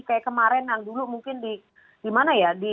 kayak kemarin yang dulu mungkin di mana ya